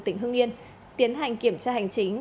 tỉnh hương yên tiến hành kiểm tra hành chính